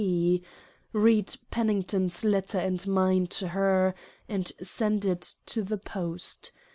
P. — read Pennington's Letter and mine to Her ; and send it to the Post.